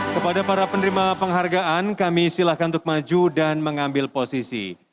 kepada para penerima penghargaan kami silakan untuk maju dan mengambil posisi